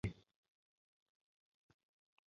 Ndege kwa kawaida hutumia petroli za pekee.